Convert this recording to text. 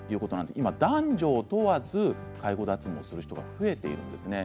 今、男女問わずこの介護脱毛をする人が増えています。